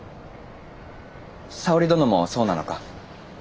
沙織殿もそうなのか？